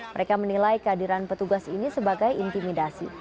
mereka menilai kehadiran petugas ini sebagai intimidasi